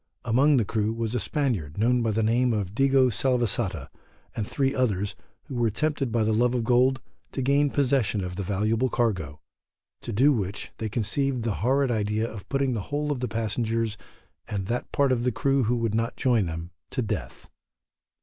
Among the crew was a Spaniard known by the name of Digo Salvesata, and three others, who were tempted by a love of gold to gain possession of the valuable cargo, to do which, they conceived the horrid idea of putting the whole of the passengers and that part of the crew who would not join them to death.